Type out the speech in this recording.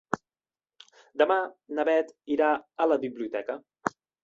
Demà na Beth irà a la biblioteca.